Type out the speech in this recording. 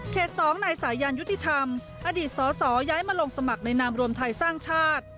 ๒นายสายันยุติธรรมอดีตสสย้ายมาลงสมัครในนามรวมไทยสร้างชาติ